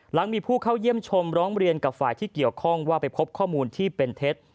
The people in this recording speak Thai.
หลังมีผู้เข้าเยี่ยมชมร้องเรียนกับฝ่ายที่เกี่ยวข้องว่าไปพบข้อมูลที่เป็นเท็จ